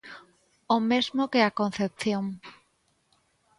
O mesmo que a Concepción.